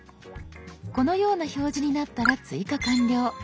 このような表示になったら追加完了。